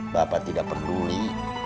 bapak tidak peduli